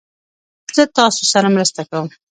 زه تاسو سره مرسته کوم